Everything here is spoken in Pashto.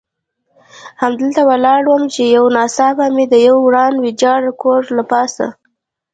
همدلته ولاړ وم، چې یو ناڅاپه مې د یوه وران ویجاړ کور له پاسه.